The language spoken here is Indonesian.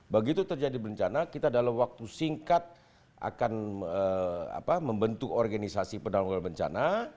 begitu terjadi bencana kita dalam waktu singkat akan membentuk organisasi penanggulan bencana